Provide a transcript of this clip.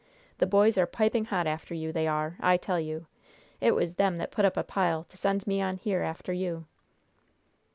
The boys are piping hot after you, they are, I tell you! It was them that put up a pile to send me on here after you!"